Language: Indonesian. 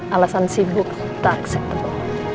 alasan sibuk tak acceptable